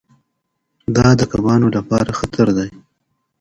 دا د کبانو لپاره خطر دی.